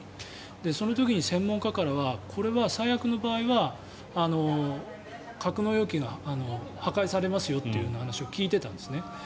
その時に専門家からはこれは最悪の場合は格納容器が破壊されますよという話を聞いてたんですね。